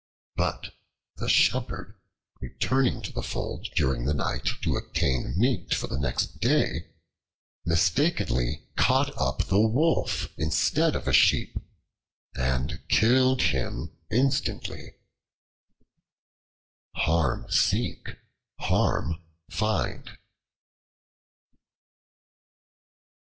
But the shepherd, returning to the fold during the night to obtain meat for the next day, mistakenly caught up the Wolf instead of a sheep, and killed him instantly. Harm seek, harm find.